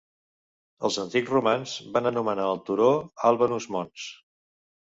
Els antics romans van anomenar el turó Albanus Mons.